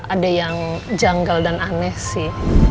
ada yang janggal dan aneh sih